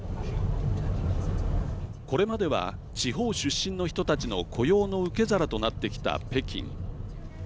これまでは地方出身の人たちの雇用の受け皿となってきた北京。